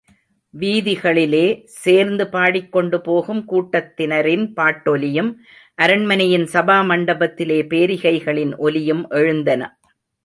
வீதிகளிலே, சேர்ந்து பாடிக் கொண்டு போகும் கூட்டத்தினரின் பாட்டொலியும், அரண்மனையின் சபா மண்டபத்திலே பேரிகைகளின் ஒலியும் எழுந்தன.